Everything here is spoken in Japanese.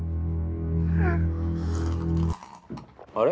あれ？